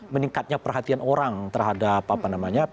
meningkatnya perhatian orang terhadap apa namanya